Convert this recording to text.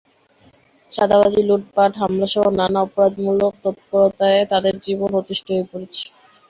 চাঁদাবাজি, লুটপাট, হামলাসহ নানা অপরাধমূলক তৎপরতায় তাঁদের জীবন অতিষ্ঠ হয়ে পড়েছে।